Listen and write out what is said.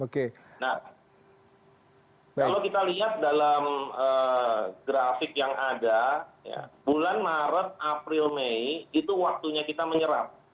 kalau kita lihat dalam grafik yang ada bulan maret april mei itu waktunya kita menyerap